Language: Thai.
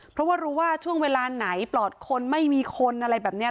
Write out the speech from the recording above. เพราะว่ารู้ว่าช่วงเวลาไหนปลอดคนไม่มีคนอะไรแบบนี้